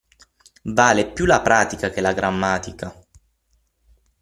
Vale più la pratica che la grammatica.